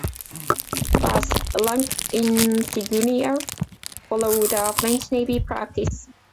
Thus, rank insignia follow the French Navy practice.